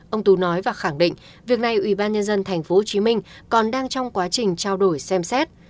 ông tú nói và khẳng định việc này ubnd tp hcm còn đang trong quá trình trao đổi xem xét